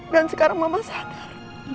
dan sekarang mama sadar